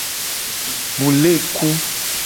Mu le ku.